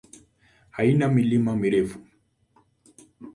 Haina milima mirefu.